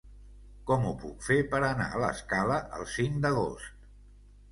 Com ho puc fer per anar a l'Escala el cinc d'agost?